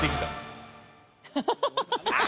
ハハハハ！